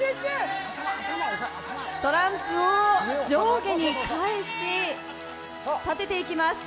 トランプを上下に返し、立てていきます。